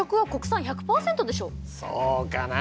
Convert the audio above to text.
そうかな。